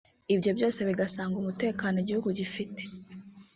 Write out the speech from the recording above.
Ibyo byose bigasanga umutekano igihugu gifite